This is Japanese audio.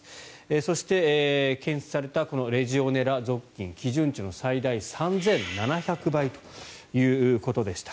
そして、検出されたレジオネラ属菌基準値の最大３７００倍ということでした。